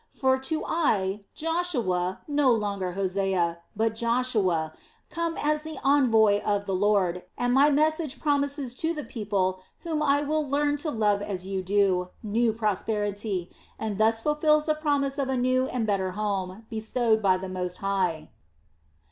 For to I, Joshua, no longer Hosea, but Joshua, come as the envoy of the Lord, and my message promises to the people whom I will learn to love as you do, new prosperity, and thus fulfils the promise of a new and better home, bestowed by the Most High."